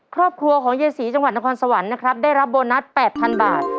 ครอบครัวของยายศรีจังหวัดนครสวรรค์นะครับได้รับโบนัส๘๐๐๐บาท